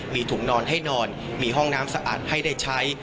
มีถุงนอนให้นอนมีห้องน้ำสะอาดให้ได้ใช้